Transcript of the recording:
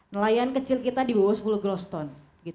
nelayan kecil kita di bawah sepuluh gross ton